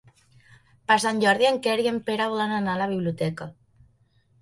Per Sant Jordi en Quer i en Pere volen anar a la biblioteca.